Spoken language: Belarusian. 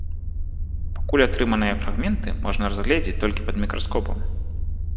Пакуль атрыманыя фрагменты можна разгледзець толькі пад мікраскопам.